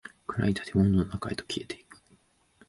暗い建物の中へと消えていく。